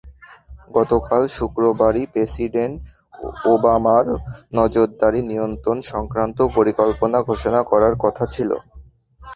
গতকাল শুক্রবারই প্রেসিডেন্ট ওবামার নজরদারি নিয়ন্ত্রণ-সংক্রান্ত পরিকল্পনা ঘোষণা করার কথা ছিল।